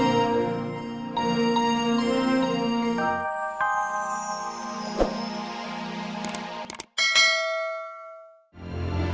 sampai jumpa lagi